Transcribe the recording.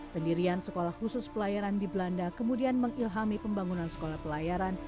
pendirian sekolah khusus pelayaran di belanda kemudian mengilhami pembangunan sekolah pelayaran